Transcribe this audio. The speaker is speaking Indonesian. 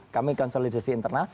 kami konsolidasi internal